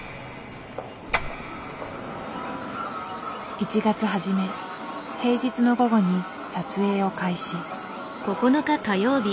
１月初め平日の午後に撮影を開始。